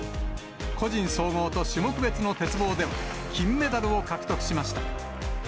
個人総合と種目別の鉄棒では、金メダルを獲得しました。